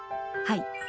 はい。